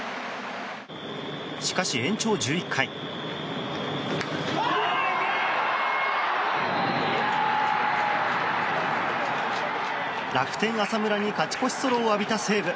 しかし延長１１回楽天、浅村に勝ち越しソロを浴びた西武。